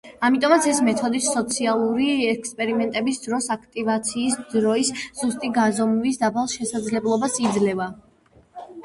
ამიტომაც ეს მეთოდი სოციალური ექსპერიმენტების დროს აქტივაციის დროის ზუსტი გაზომვის დაბალ შესაძლებლობას იძლევა.